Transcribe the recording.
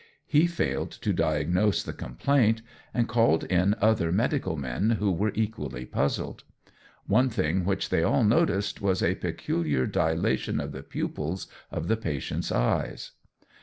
He failed to diagnose the complaint, and called in other medical men, who were equally puzzled. One thing which they all noticed, was a peculiar dilation of the pupils of the patient's eyes.